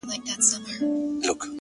o هغه دي مړه سي زموږ نه دي په كار،